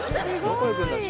どこ行くんだろう？